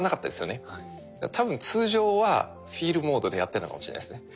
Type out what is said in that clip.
多分通常はフィールモードでやってるのかもしれないですね。